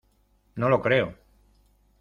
no lo creo.